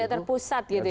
tidak terpusat gitu ya